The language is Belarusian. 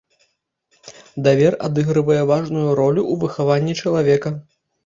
Давер адыгрывае важную ролю ў выхаванні чалавека.